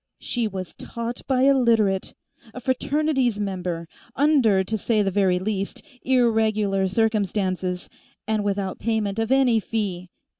"She was taught by a Literate, a Fraternities member, under, to say the very least, irregular circumstances, and without payment of any fee.